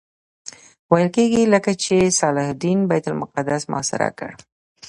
ویل کېږي کله چې صلاح الدین بیت المقدس محاصره کړ.